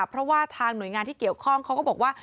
เพราะว่าทางหน่วยงานที่เกี่ยวข้องเขาก็บอกว่า